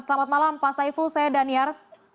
selamat malam pak saiful saya daniar